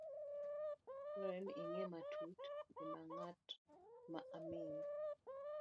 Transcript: Dwarore ni ing'e matut gima ng'at ma omiyi